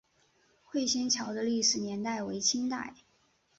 会仙桥的历史年代为清代。